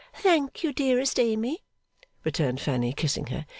'Thank you, dearest Amy,' returned Fanny, kissing her.